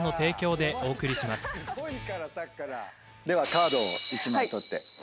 ではカードを１枚取って。